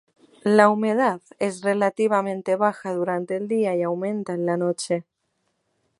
La humedad es relativamente baja durante el día y aumenta en la noche.